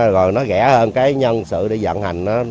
rồi nó rẻ hơn cái nhân sự để dẫn hành